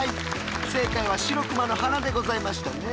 正解はシロクマの鼻でございましたね。